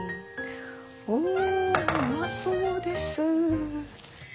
おおうまそうです。